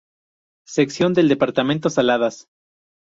Sección del departamento Saladas.